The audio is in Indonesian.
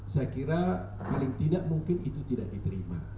saya kira paling tidak mungkin itu tidak diterima